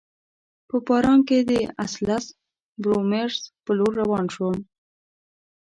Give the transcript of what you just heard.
په باران کي د اسلز بورومیز په لور روان شوم.